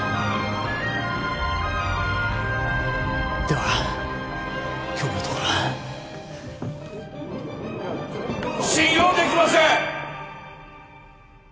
では今日のところは信用できません！